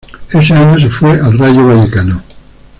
Ese año se fue al Rayo Vallecano.